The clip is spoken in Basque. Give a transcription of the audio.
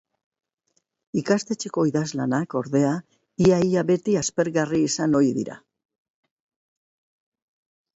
Ikastetxeko idazlanak, ordea, ia-ia beti aspergarri izan ohi dira.